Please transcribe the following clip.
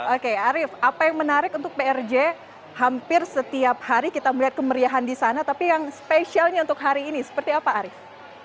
oke arief apa yang menarik untuk prj hampir setiap hari kita melihat kemeriahan di sana tapi yang spesialnya untuk hari ini seperti apa arief